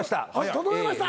整いました！